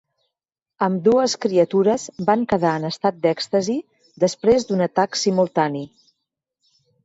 Ambdues criatures van quedar en estat d'èxtasi després d'un atac simultani.